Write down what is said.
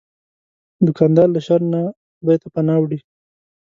دوکاندار له شر نه خدای ته پناه وړي.